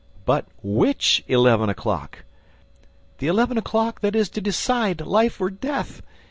"But which eleven o'clock?" "The eleven o'clock that is to decide life or death!